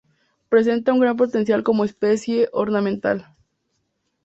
Presenta un gran potencial como especie ornamental.